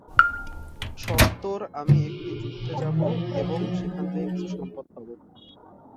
সত্বর আমি একটি যুদ্ধে যাব এবং সেখান থেকে কিছু সম্পদ পাব।